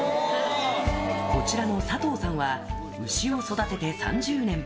こちらの佐藤さんは、牛を育てて３０年。